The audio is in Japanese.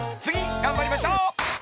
［次頑張りましょう］